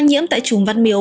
số ca nhiễm tại chủng văn miếu